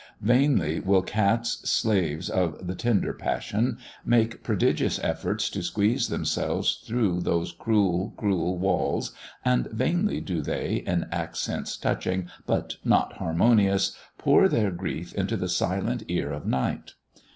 Vainly will cats, slaves of the tender passion, make prodigious efforts to squeeze themselves through those cruel, cruel walls, and vainly do they, in accents touching, but not harmonious, pour their grief into the silent ear of night.